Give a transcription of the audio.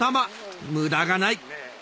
無駄がない